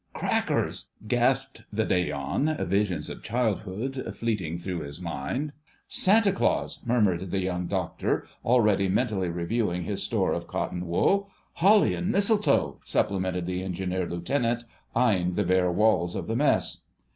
"Crackers," gasped the Day on, visions of childhood fleeting through his mind. "Santa Claus!" murmured the Young Doctor, already mentally reviewing his store of cotton wool. "Holly and mistletoe," supplemented the Engineer Lieutenant, eyeing the bare walls of the Mess.